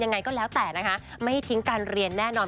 ยังไงก็แล้วแต่นะคะไม่ทิ้งการเรียนแน่นอน